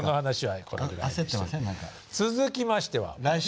続きましては。